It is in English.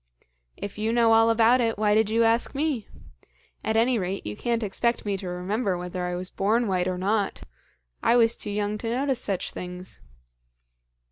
"If you know all about it, why did you ask me? At any rate, you can't expect me to remember whether I was born white or not. I was too young to notice such things."